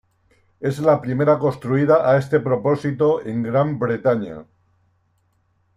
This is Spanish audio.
Es la primera construida a este propósito en Gran Bretaña.